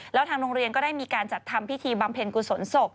แล้วทางโรงเรียนก็ได้มีการจัดทำพิธีบำเพ็ญกุศลศพ